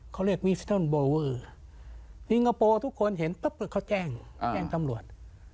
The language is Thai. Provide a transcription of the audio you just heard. เขาเรียกวิสเติลโบลเวอร์ทุกคนเห็นปุ๊บเขาแจ้งแจ้งสำรวจ